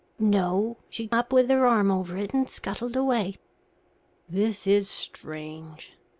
"No; she up with her arm over it and scuttled away." "This is strange.